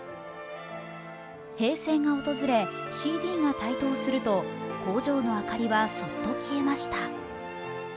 平成が訪れ、ＣＤが台頭すると工場の明かりはそっと消えました。